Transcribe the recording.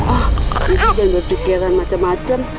ah ini jangan berpikiran macem macem